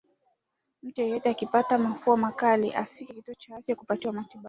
Mtu yoyote akipata mafua makali afike kituo cha afya kupatiwa matibabu